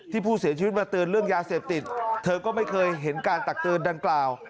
ผู้เสียชีวิตมาเตือนเรื่องยาเสพติดเธอก็ไม่เคยเห็นการตักเตือนดังกล่าว